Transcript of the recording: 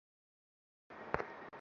তুই নিজেই গল্প ফেঁদে বসে আছিস।